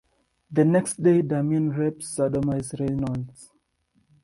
The next day, Damien rapes and sodomises Reynolds.